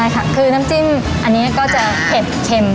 ใช่ค่ะคือน้ำจิ้มอันนี้ก็จะเผ็ดเข็ม